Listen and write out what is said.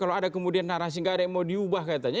kalau ada kemudian narasi nggak ada yang mau diubah katanya